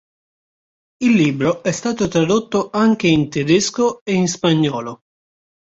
Il libro è stato tradotto anche in tedesco e in spagnolo.